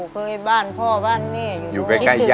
เคยบ้านพ่อบ้านเมย์อยู่